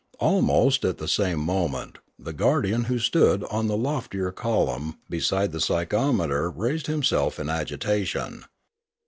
Almost at the same mo ment the guardian who stood on the loftier column be side the psychometer raised himself in agitation.